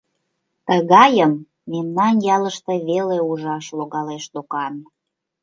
Тыгайым мемнан ялыште веле ужаш логалеш докан.